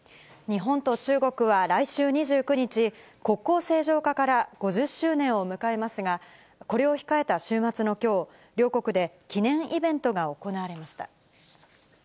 日本と中国は来週２９日、国交正常化から５０周年を迎えますが、これを控えた週末のきょう、両国で記念イベントが行われました。